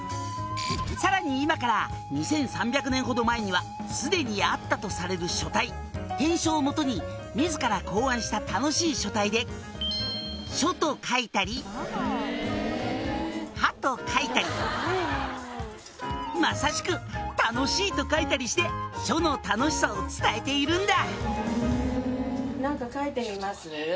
「さらに今から２３００年ほど前には既にあったとされる書体篆書を基に自ら考案した楽しい書体で『書』と書いたり『歯』と書いたり」「まさしく『楽しい』と書いたりして書の楽しさを伝えているんだ」